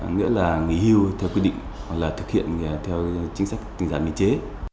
nghĩa là nghỉ hưu theo quy định hoặc là thực hiện theo chính sách tình dạng biên chế